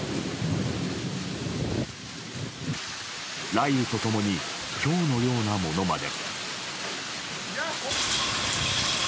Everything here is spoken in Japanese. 雷雨と共にひょうのようなものまで。